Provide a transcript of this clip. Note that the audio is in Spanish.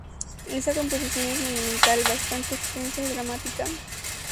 Esta composición es monumental, bastante extensa y dramática.